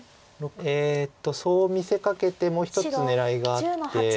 えっとそう見せかけてもう１つ狙いがあって。